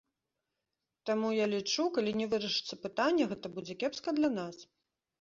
Таму, я лічу, калі не вырашыцца пытанне, гэта будзе кепска для нас.